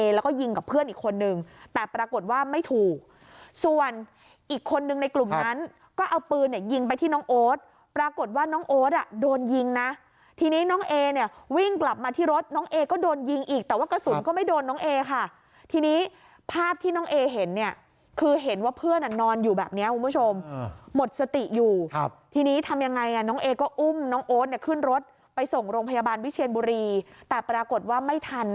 แล้วก็ยิงกับเพื่อนอีกคนนึงแต่ปรากฏว่าไม่ถูกส่วนอีกคนนึงในกลุ่มนั้นก็เอาปืนเนี่ยยิงไปที่น้องโอ๊ตปรากฏว่าน้องโอ๊ตอ่ะโดนยิงนะทีนี้น้องเอเนี่ยวิ่งกลับมาที่รถน้องเอก็โดนยิงอีกแต่ว่ากระสุนก็ไม่โดนน้องเอค่ะทีนี้ภาพที่น้องเอเห็นเนี่ยคือเห็นว่าเพื่อนอ่ะนอนอยู่แบบเนี้ยคุณผู้ชม